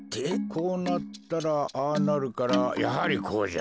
こうなったらああなるからやはりこうじゃ。